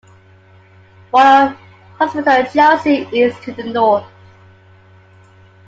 Royal Hospital Chelsea is to the north.